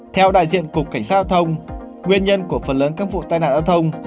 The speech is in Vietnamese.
theo đại diện cục cảnh sát giao thông nguyên nhân của phần lớn các vụ tai nạn giao thông